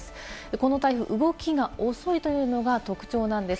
この台風、動きが遅いというのが特徴なんです。